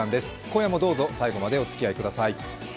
今夜もどうぞ最後までお付き合いください。